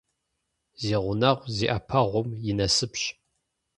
Зи гъунэгъу зи Iэпэгъум и насыпщ.